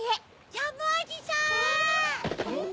・ジャムおじさん！